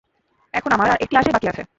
এখন আমার আর একটি আশাই বাকী আছে।